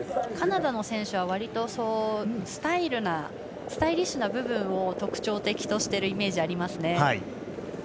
カナダの選手はわりとスタイリッシュな部分を特徴的としているイメージがあります。